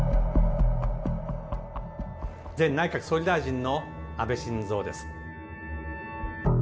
前内閣総理大臣の安倍晋三です。